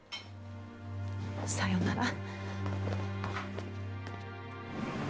さようなら。